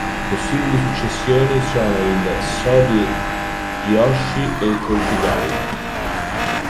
Possibili successioni sono il Sode-jkigoshi e il Ko-uchi-gari.